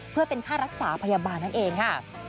เพื่อเป็นค่ารักษาพยาบาลนั่นเองค่ะ